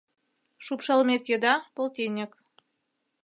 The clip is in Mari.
Шупшалмет еда - полтиньык